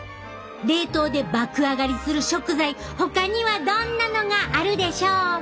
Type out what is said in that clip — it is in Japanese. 冷凍で爆上がりする食材ほかにはどんなのがあるでしょうか？